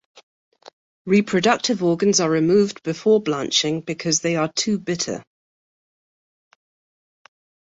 Reproductive organs are removed before blanching because they are too bitter.